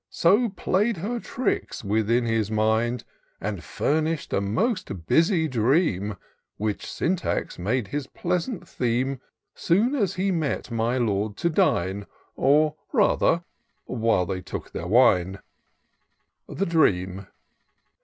So play'd her tricks within his mind. And fumish'd a most busy dream^ Which Syntax made his pleasant theme. Soon as he met my Lord to dine, Or rather, while they took their wine. s s 314 tour of doctor syntax The Dream.